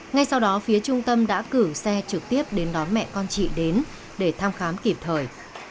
ngay sau đó phía trung tâm đã cử xe trực tiếp đến đón mẹ con chị đến để thăm khám kịp thời